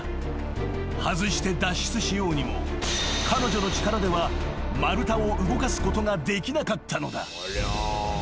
［外して脱出しようにも彼女の力では丸太を動かすことができなかったのだ］